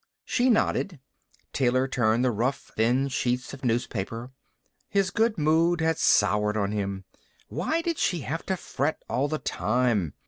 She nodded. Taylor turned the rough, thin sheets of newspaper. His good mood had soured on him. Why did she have to fret all the time?